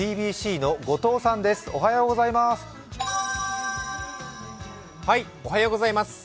ｔｂｃの後藤さんです。